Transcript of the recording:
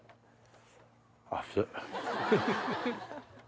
熱っ。